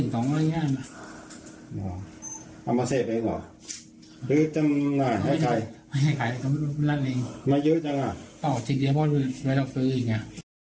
ก็ล่ะป่อยได้ค่ะใช่ค่ะ